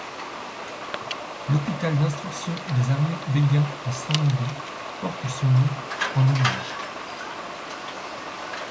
L'hôpital d'instruction des armées Bégin à Saint-Mandé porte son nom en hommage.